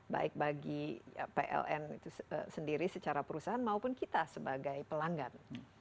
baik bagi pln itu sendiri secara perusahaan maupun kita sebagai pelanggan